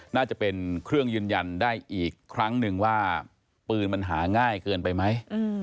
น่าจะเป็นเครื่องยืนยันได้อีกครั้งหนึ่งว่าปืนมันหาง่ายเกินไปไหม